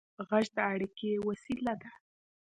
غږ د اړیکې وسیله ده.